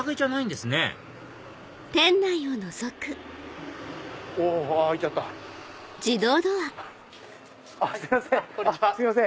すいません。